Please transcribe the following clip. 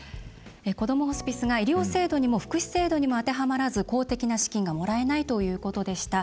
こどもホスピスが医療制度にも福祉制度にも当てはまらず公的な資金がもらえないということでした。